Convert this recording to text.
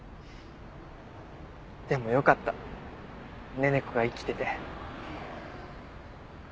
でもよかった寧々子が生きてて。